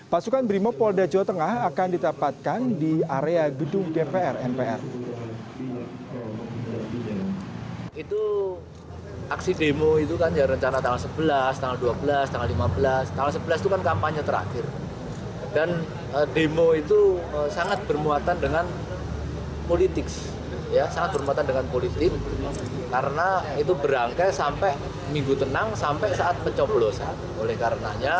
pasukan brimopolda jawa tengah akan ditempatkan di area gedung dpr npr